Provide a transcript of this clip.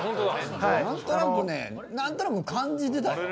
なんとなくねなんとなく感じてたよ。